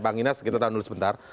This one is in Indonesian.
pak ines kita tahan dulu sebentar